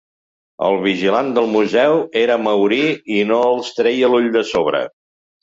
El vigilant del museu era maori i no els treia l'ull de sobre.